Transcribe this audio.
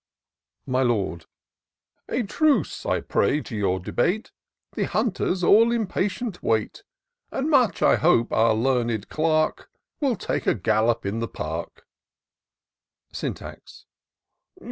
My Lord. " A truce, I pray, to your debate ; The hunters all impatient wait ; 14a TOUR OF DOCTOR SYNTAX And much I hope our learned Clerk Will take a gallop in the Park." Syntax.